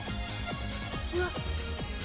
うわっ。